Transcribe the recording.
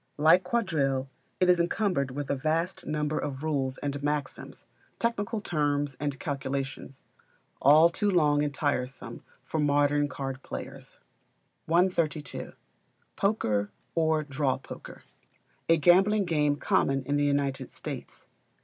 Like Quadrille, it is encumbered with a vast number of rules and maxims, technical terms and calculations; all too long and tiresome for modern card players. 132. Poker, or Draw Poker, a gambling game common in the United States.